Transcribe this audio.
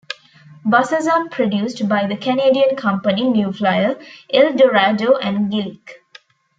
Buses are produced by the Canadian company New Flyer, Eldorado, and Gillig.